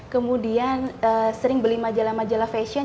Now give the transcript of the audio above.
kemudian sering beli majalah majalah fashion